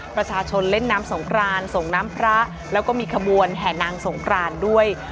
ประชาชนเล่นน้ำสงครานส่งน้ำพระแล้วก็มีขบวนแห่นางสงครานด้วย